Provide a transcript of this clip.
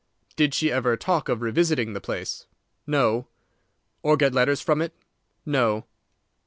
"Did she ever talk of revisiting the place?" "No." "Or get letters from it?" "No."